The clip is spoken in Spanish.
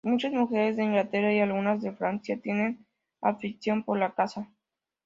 Muchas mujeres de Inglaterra y algunas de Francia tienen afición por la caza.